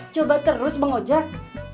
coba terus bang ojak